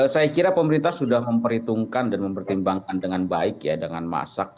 saya kira pemerintah sudah memperhitungkan dan mempertimbangkan dengan baik ya dengan masak